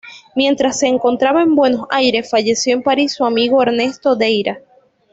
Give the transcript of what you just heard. Mientras se encontraba en Buenos Aires, falleció en París su amigo Ernesto Deira.